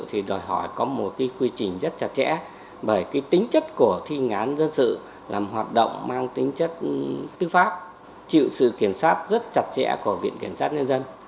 hỏi có một cái quy trình rất chặt chẽ bởi cái tính chất của thi hành án dân sự làm hoạt động mang tính chất tư pháp chịu sự kiểm soát rất chặt chẽ của viện kiểm soát nhân dân